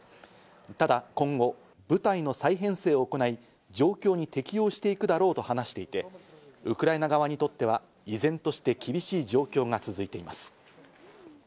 ただ今後、部隊の再編成を行い、状況に適応していくだろうと話していて、ウクライナ側にとって依然として厳しい状況が続いています。